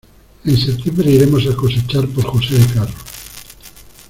En septiembre iremos a cosechar por José de Carro.